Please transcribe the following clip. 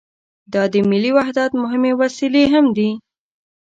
دا د ملي وحدت مهمې وسیلې هم دي.